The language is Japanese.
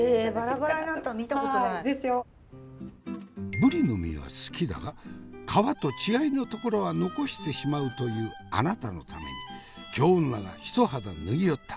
ぶりの身は好きだが皮と血合いのところは残してしまうというあなたのために京女が一肌脱ぎよった。